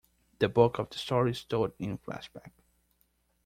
The bulk of the story is told in flashback.